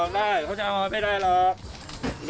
เขาบรับลองได้เขาจะเอาเขาไม่ได้หรอก